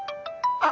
あっ。